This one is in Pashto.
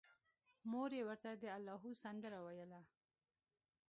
مور یې ورته د اللاهو سندره ویله